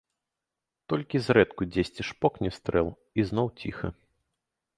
Толькі зрэдку дзесьці шпокне стрэл, і зноў ціха.